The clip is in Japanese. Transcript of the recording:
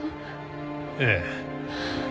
ええ。